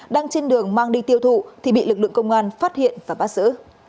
đang trên đường mang đi tiêu thụ thì bị lực lượng công an phát hiện và bắt giữ